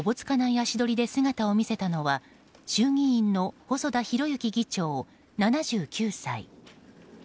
足取りで姿を見せたのは衆議院の細田博之議長、７９歳。